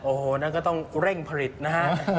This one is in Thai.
โอ้โหนั่นก็ต้องเร่งผลิตนะฮะ